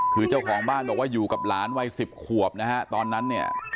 คือเจ้าของบ้านบอกว่าอยู่กับหลานวัยสิบขวบนะฮะตอนนั้นเนี่ย